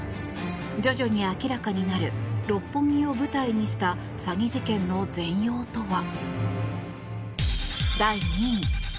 徐々に明らかになる六本木を舞台にした詐欺事件の全容とは。